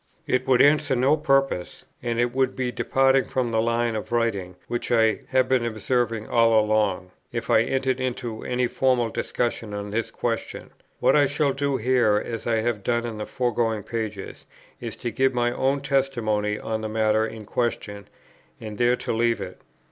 It would answer no purpose, and it would be departing from the line of writing which I have been observing all along, if I entered into any formal discussion on this question; what I shall do here, as I have done in the foregoing pages, is to give my own testimony on the matter in question, and there to leave it.